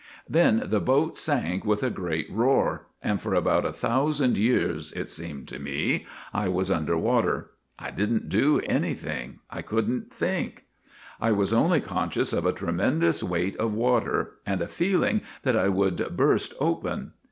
Then the boat sank with a great roar, and for about a thousand years, it seemed to me, I was under water. I did n't do anything. I could n't think. ' I was only conscious of a tremendous weight of water and a feeling that I would burst open.